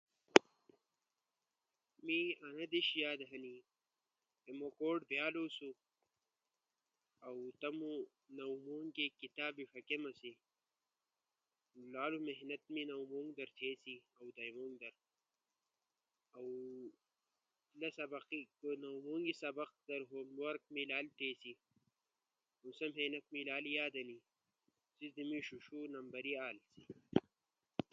می انا دیس یاد ہنی کے موݜو دیالوسو، اؤ می تمو نموم تی کتابے ݜکیناسی، لالو محنت تھیناسی نموم در ہم اؤ دھئموم در ہم محنت تھیناسی اؤ با می پاس بونو۔ اؤ لا سبقی در می ہم لالو محنت تھیگیسی۔ نو سی دیس می لالو یاد ہنیئ۔ سیس در می شیشو نمبر آلے۔ می تمو اسکولے دور لالو یاد ہنو۔ امتھان ھال لالو یاد ہنو سیس در می تمو کلاس فگیلو ست میٹرک امتحان دیسی۔ سی امتحان در می شیشو نمبر گھینیسی۔ انیس کئی علاوہ می تمو سأت ست ایک دیس چکرا تی گائسو سی دیس ہم می لالو یاد ہنو۔